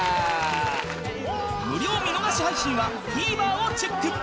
無料見逃し配信は ＴＶｅｒ をチェック